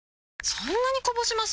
そんなにこぼします？